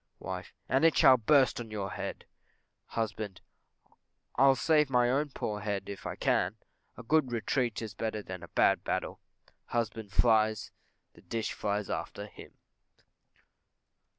Wife. And it shall burst on your head. Husband. I'll save my poor head, if I can. A good retreat is better than a bad battle. (_Husband flies, the dish flies after him.